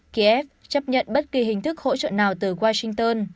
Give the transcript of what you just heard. kiev chấp nhận bất kỳ hình thức hỗ trợ nào từ washington